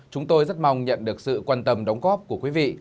chúng tôi rất mong nhận được sự quan tâm đóng góp của quý vị